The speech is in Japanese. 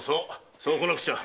そうこなくちゃ！